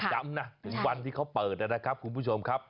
ย้ำนะถึงวันที่เขาเปิดนะครับคุณผู้ชมครับ